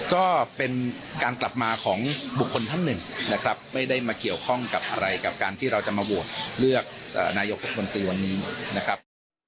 ก็เป็นการกลับมาของบุคคลท่านหนึ่งนะครับไม่ได้มาเกี่ยวข้องกับอะไรกับการที่เราจะมาโหวตเลือกนายกรัฐมนตรีวันนี้นะครับ